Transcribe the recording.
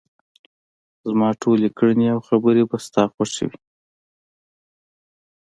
زما ټولې کړنې او خبرې به ستا خوښې وي.